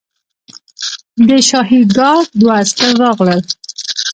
د شاهي ګارډ دوه عسکر راغلل.